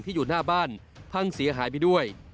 อยู่หน้าบ้านพังเสียหายไปด้วย